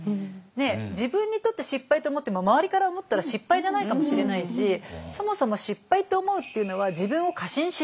自分にとって失敗って思っても周りから思ったら失敗じゃないかもしれないしそもそも失敗と思うっていうのは自分を過信しすぎだと。